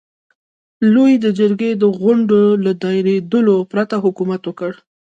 لويي د جرګې د غونډو له دایرولو پرته حکومت وکړ.